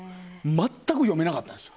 全く読めなかったんですよ